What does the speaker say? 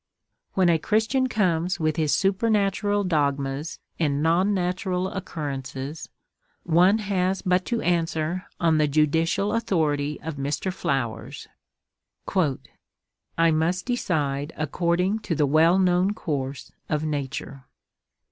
When a Christian comes with his supernatural dogmas and non natural occurrences, one has but to answer on the judicial authority of Mr. Flowers: "I must decide according to the well known course of nature."